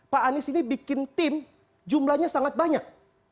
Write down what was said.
pak anies ini bikin tim jumlahnya sangat banyak